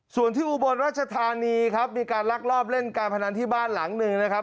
ส่วนที่อุบลรัชธานีครับมีการลักลอบเล่นการพนันที่บ้านหลังหนึ่งนะครับ